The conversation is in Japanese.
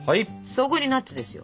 そこにナッツですよ。